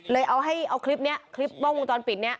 เลยเอาให้คลิปนี้คลิปว่องวงตอนปิดนี้